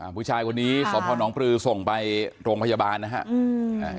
อ่าผู้ชายคนนี้ค่ะขอพ่อน้องปลือส่งไปโรงพยาบาลนะฮะอืม